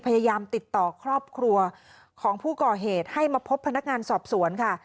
พยายามติดต่อครอบครัวของผู้ก่อเหตุให้มาพบพนักงานสอบสวนค่ะ